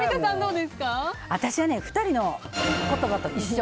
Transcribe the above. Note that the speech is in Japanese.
私は２人の言葉と一緒。